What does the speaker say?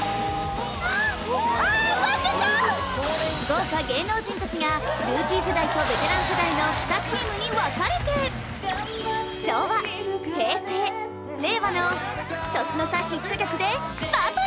豪華芸能人達がルーキー世代とベテラン世代の２チームに分かれて昭和平成令和の年の差ヒット曲でバトル！